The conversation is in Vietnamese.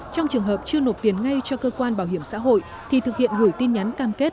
trong trường hợp chưa nộp tiền ngay cho cơ quan bảo hiểm xã hội thì thực hiện gửi tin nhắn cam kết